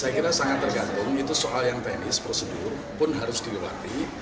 saya kira sangat tergantung itu soal yang teknis prosedur pun harus dilewati